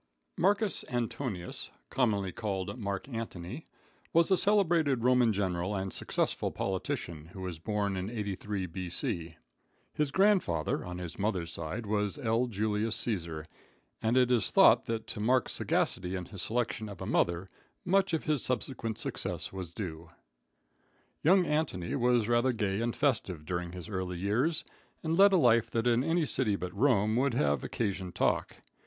Marcus Antonius, commonly called Mark Antony, was a celebrated Roman general and successful politician, who was born in 83 B.C. His grandfather, on his mother's side, was L. Julius Caesar, and it is thought that to Mark's sagacity in his selection of a mother, much of his subsequent success was due. Young Antony was rather gay and festive during his early years, and led a life that in any city but Rome would have occasioned talk.